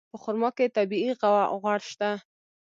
په خرما کې طبیعي غوړ شته.